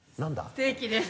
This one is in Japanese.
ステーキです！